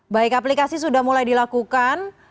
baik aplikasi sudah mulai dilakukan